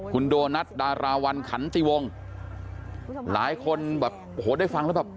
คุณโดนัทดาราวันขันติวงหลายคนแบบโอ้โหได้ฟังแล้วแบบ